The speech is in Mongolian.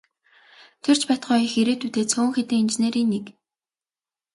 Тэр ч байтугай их ирээдүйтэй цөөн хэдэн инженерийн нэг.